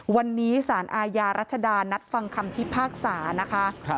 วันนี้สารอาญารัชดานัดฟังคำพิพากษานะคะ